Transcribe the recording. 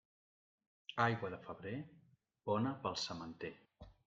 Aigua de febrer, bona pel sementer.